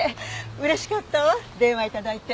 嬉しかったわ電話頂いて。